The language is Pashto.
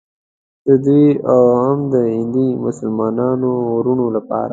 د دوی او هم د هندي مسلمانانو وروڼو لپاره.